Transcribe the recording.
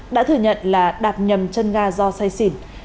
đã thừa nhận là đạp nhầm chân ga do say xỉn